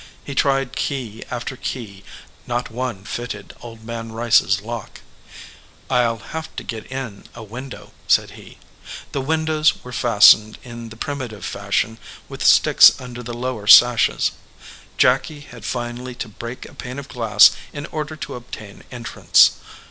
He tried key after key; not one fitted Old Man Rice s lock. "I ll have to get in a window," said he. The win dows were fastened in the primitive fashion with sticks under the lower sashes. Jacky had finally to break a pane of glass in order to obtain entrance.